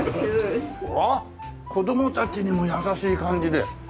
あっ子どもたちにも優しい感じで。